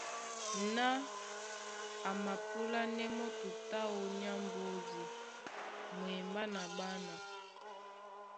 Ná a mapúlánɛ́ mɔ́ tutú áō nyá mbódi mwembá na ɓána.